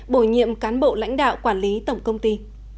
bổ nhiệm cán bộ lãnh đạo quản lý tổng công ty